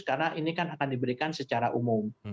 karena ini kan akan diberikan secara umum